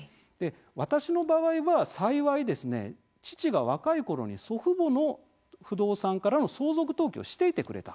私の場合は幸い、父が若いころに祖父母の不動産からの相続登記をしていてくれた。